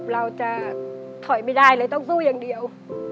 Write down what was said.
เราจะถอยไม่ได้เลยต้องสู้อย่างเดียว